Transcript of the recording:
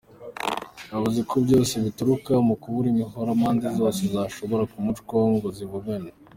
Yavuze ko vyose bituruka ku kubura imihora impande zose zoshobora gucamwo ngo zivugane.